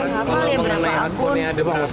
gisela mengenai akunnya ada banyak